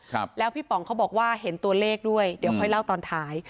ครับแล้วพี่ป๋องเขาบอกว่าเห็นตัวเลขด้วยเดี๋ยวค่อยเล่าตอนท้าย